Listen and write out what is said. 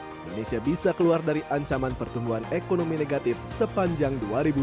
indonesia bisa keluar dari ancaman pertumbuhan ekonomi negatif sepanjang dua ribu dua puluh